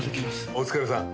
お疲れさん。